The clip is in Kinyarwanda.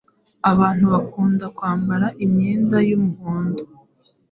Abantu bakunda kwambara imyenda y’umuhondo